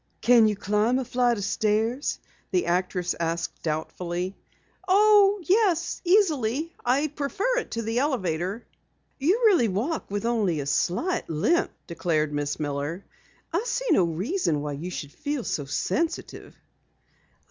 "Can you climb a flight of stairs?" the actress asked doubtfully. "Oh, yes, easily. I much prefer it to the elevator." "You really walk with only a slight limp," declared Miss Miller. "I see no reason why you should feel so sensitive."